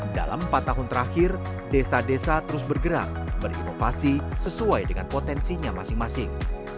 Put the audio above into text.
dalam empat tahun terakhir desa desa terus bergerak berinovasi sesuai dengan potensinya masing masing